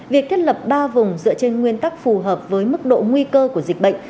việc thiết lập ba vùng dựa trên nguyên tắc phù hợp với mức độ nguy cơ của dịch bệnh